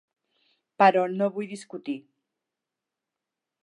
Però no vull discutir.